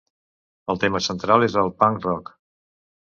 El tema central és el punk rock.